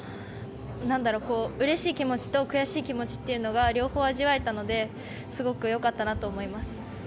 うれしい気持ちと悔しい気持ちが両方味わえたのですごく良かったなと思います。